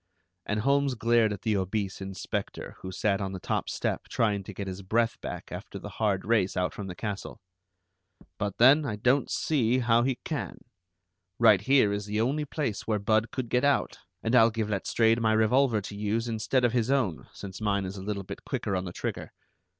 And Holmes glared at the obese inspector, who sat on the top step trying to get his breath back after the hard race out from the castle. "But then, I don't see how he can. Right here is the only place where Budd could get out, and I'll give Letstrayed my revolver to use instead of his own, since mine is a little bit quicker on the trigger.